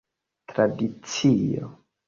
tradicio